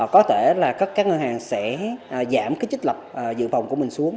có thể là các ngân hàng sẽ giảm cái chích lập dự vòng của mình xuống